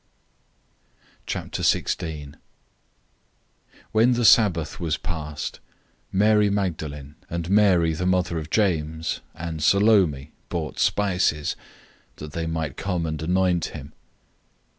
016:001 When the Sabbath was past, Mary Magdalene, and Mary the mother of James, and Salome, bought spices, that they might come and anoint him.